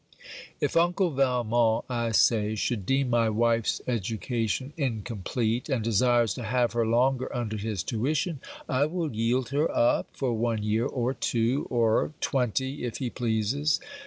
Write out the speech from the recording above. If uncle Valmont, I say, should deem my wife's education incomplete, and desires to have her longer under his tuition, I will yield her up for one year, or two, or twenty, if he pleases.